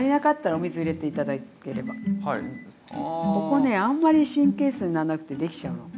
ここねあんまり神経質になんなくてできちゃうの。